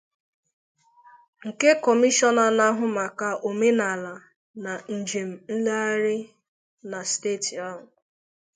nke Kọmishọna na-ahụ maka omenala na njem nlegharị na steeti ahụ